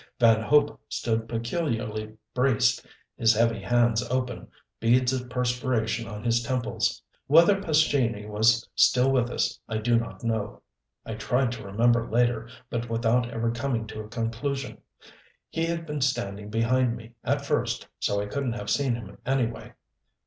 Van Hope stood peculiarly braced, his heavy hands open, beads of perspiration on his temples. Whether Pescini was still with us I do not know. I tried to remember later, but without ever coming to a conclusion. He had been standing behind me, at first, so I couldn't have seen him anyway.